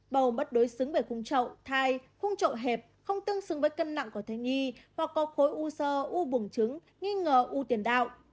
bầu bất đối xứng với khung trậu thai khung trậu hẹp không tương xứng với cân nặng của thai nhi và có khối u sơ u bùng trứng nghi ngờ u tiền đạo